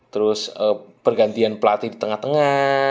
terus pergantian pelatih di tengah tengah